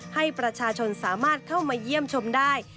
ให้ประชาชนสามารถเข้ามาเยี่ยมชมได้